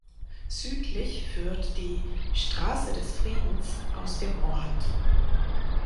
Südlich führt die "Straße des Friedens" aus dem Ort.